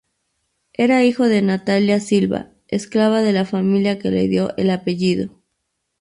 Era hijo de Natalia Silva, esclava de la familia que le dio el apellido.